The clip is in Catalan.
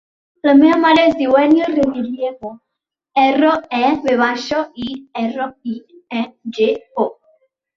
La meva mare es diu Ènia Reviriego: erra, e, ve baixa, i, erra, i, e, ge, o.